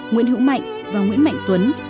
nguyễn hữu mạnh và nguyễn mạnh tuấn